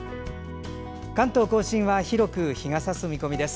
関東・甲信は広く日がさす見込みです。